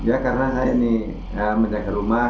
ya karena saya ini menjaga rumah